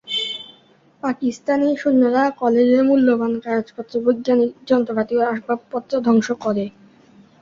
পাকিস্তানি সৈন্যরা কলেজের মূল্যবান কাগজপত্র, বৈজ্ঞানিক যন্ত্রপাতি ও আসবাবপত্র ধ্বংস করে।